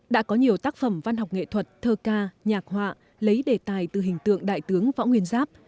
đã có nhiều tác phẩm văn học nghệ thuật thơ ca nhạc họa lấy đề tài từ hình tượng đại tướng võ nguyên giáp